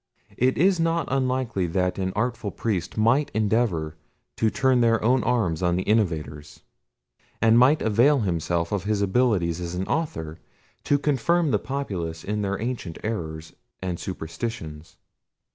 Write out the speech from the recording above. It is not unlikely that an artful priest might endeavour to turn their own arms on the innovators, and might avail himself of his abilities as an author to confirm the populace in their ancient errors and superstitions.